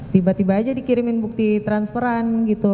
tiba tiba aja dikirimin bukti transferan gitu